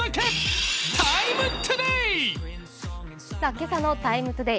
今朝の「ＴＩＭＥ，ＴＯＤＡＹ」